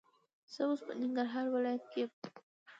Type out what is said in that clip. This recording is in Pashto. زه اوس په ننګرهار ولایت کې یم.